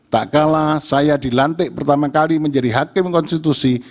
tak kalah saya dilantik pertama kali menjadi hakim konstitusi